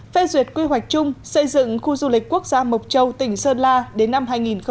phê duyệt quy hoạch chung xây dựng khu du lịch quốc gia mộc châu tỉnh sơn la đến năm hai nghìn ba mươi